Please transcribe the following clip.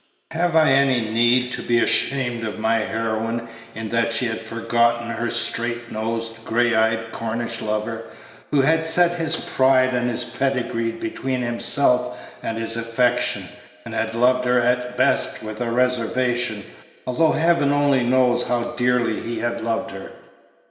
Have I any need to be ashamed of my heroine in that she had forgotten her straight nosed, gray eyed Cornish lover, who had set his pride and his pedigree between himself and his affection, and had loved her at best with a reservation, although Heaven only knows how dearly he had loved her?